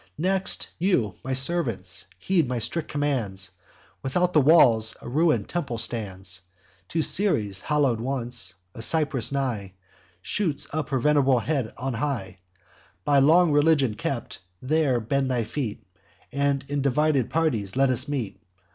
Next, you, my servants, heed my strict commands: Without the walls a ruin'd temple stands, To Ceres hallow'd once; a cypress nigh Shoots up her venerable head on high, By long religion kept; there bend your feet, And in divided parties let us meet.